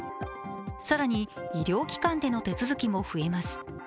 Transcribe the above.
更に医療機関での手続きも増えます。